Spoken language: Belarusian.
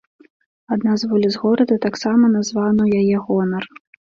Адна з вуліц горада таксама названа ў яе гонар.